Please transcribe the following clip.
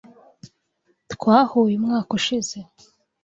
Twahuye umwaka ushize.